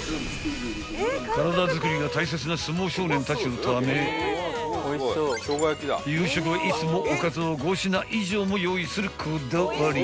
［体づくりが大切な相撲少年たちのため夕食はいつもおかずを５品以上も用意するこだわり］